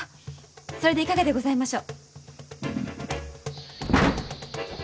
それでいかがでございましょう？